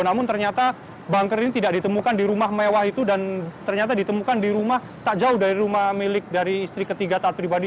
namun ternyata bangker ini tidak ditemukan di rumah mewah itu dan ternyata ditemukan di rumah tak jauh dari rumah milik dari istri ketiga taat pribadi